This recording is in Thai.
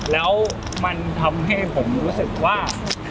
แล้วมันทำให้ผมรู้สึกว่า